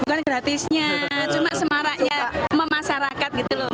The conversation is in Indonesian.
bukan gratisnya cuma semaraknya memasarakat gitu loh